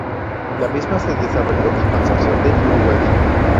La misma se desarrolló en Concepción del Uruguay.